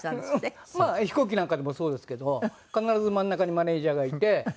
まあ飛行機なんかでもそうですけど必ず真ん中にマネジャーがいて。